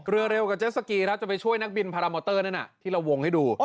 เรือเร็วกับเจสสกีครับจะไปช่วยนักบินพารามอเตอร์นั่นที่เราวงให้ดู